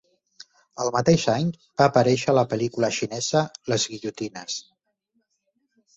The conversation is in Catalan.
El mateix any, va aparèixer a la pel·lícula xinesa "Les Guillotines".